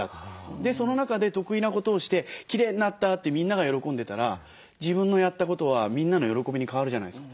その中で得意なことをしてきれいになったってみんなが喜んでたら自分のやったことはみんなの喜びに変わるじゃないですか。